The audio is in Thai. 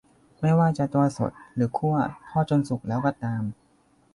ไม่ว่าจะตัวสด หรือ คั่ว ทอดจนสุกแล้วก็ตาม